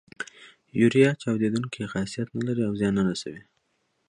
یوریا چاودیدونکی خاصیت نه لري او زیان نه رسوي.